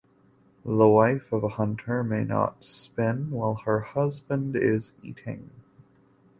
The wife of a hunter may not spin while her husband is eating.